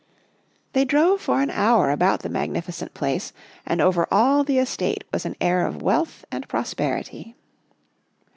They drove for an hour about the magnificent place, and over all the estate was an air of wealth and prosperity.